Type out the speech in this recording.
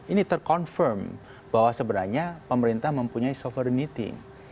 ini ter confirm bahwa sebenarnya pemerintah mempunyai sovereignty